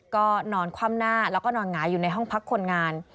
ก็นอนคว่ำหน้าแล้วก็นอนหงายอยู่ในห้องพักคนงาน